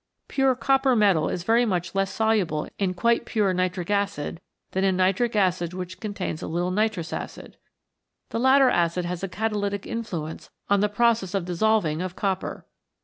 Pure copper metal is very much less soluble in quite pure nitric acid than in nitric acid which contains a little nitrous acid. The latter acid has a catalytic influence on the process of the dissolving of copper.